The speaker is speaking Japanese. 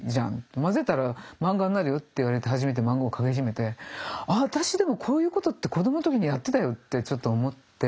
まぜたら漫画になるよ」って言われて初めて漫画を描き始めてあっ私でもこういうことって子供の時にやってたよ！ってちょっと思って。